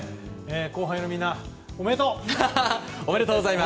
後輩のみんな、おめでとう！